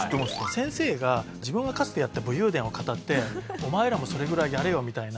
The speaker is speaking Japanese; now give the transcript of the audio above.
先生が自分がかつてやった武勇伝を語ってお前らもそれぐらいやれよみたいな。